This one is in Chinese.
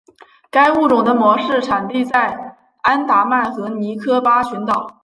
该物种的模式产地在安达曼和尼科巴群岛。